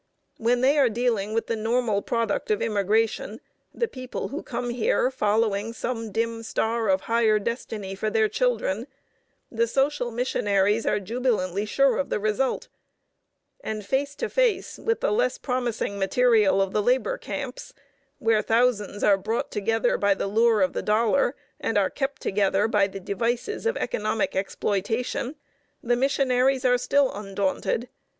When they are dealing with the normal product of immigration, the people who come here following some dim star of higher destiny for their children, the social missionaries are jubilantly sure of the result; and face to face with the less promising material of the labor camps, where thousands are brought together by the lure of the dollar and are kept together by the devices of economic exploitation, the missionaries are still undaunted.